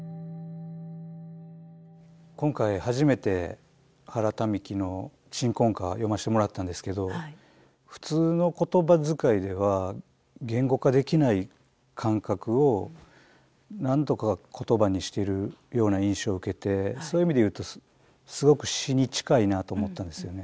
今回初めて原民喜の「鎮魂歌」読ませてもらったんですけど普通の言葉遣いでは言語化できない感覚をなんとか言葉にしてるような印象を受けてそういう意味で言うとすごく詩に近いなと思ったんですよね。